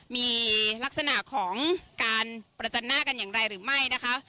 มีลักษณะของการประจันหน้ากันอย่างไรหรือไม่นะคะ